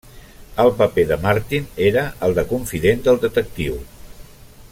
El paper de Martin era el de confident del detectiu.